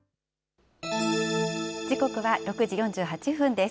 時刻は６時４８分です。